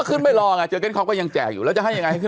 ขึ้นลดผิดกัน